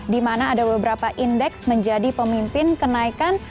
di mana ada beberapa indeks menjadi pemimpin kenaikan